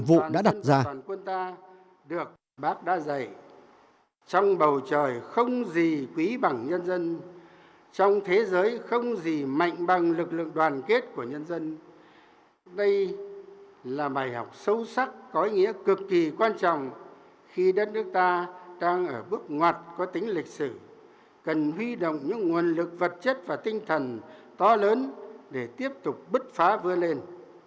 bác đã dạy trong bầu trời không gì quý bằng nhân dân trong thế giới không gì mạnh bằng lực lượng đoàn kết của nhân dân đây là bài học sâu sắc có ý nghĩa cực kỳ quan trọng khi đất nước ta đang ở bước ngoặt có tính lịch sử cần huy động những nguồn lực vật chất và tinh thần to lớn để tiếp tục bứt phá vươn lên